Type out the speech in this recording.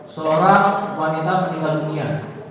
seorang wanita meninggal dunia